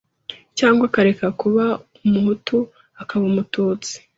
cyangwa akareka kuba Umuhutu akaba Umututsi